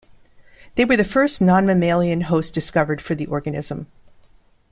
They were the first non-mammalian hosts discovered for the organism.